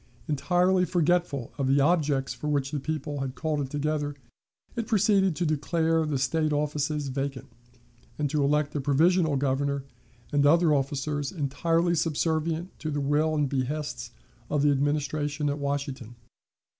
Entirely forgetful of the objects for which the people had called it together, it proceeded to declare the State offices vacant, and to elect a provisional Governor and other officers entirely subservient to the will and behests of the Administration at Washington.